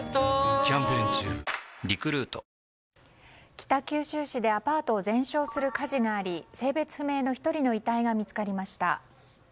北九州市でアパートを全焼する火事があり性別不明の１人の遺体が見つかりました。